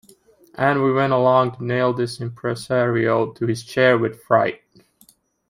And we went along to nail this impresario to his chair with fright.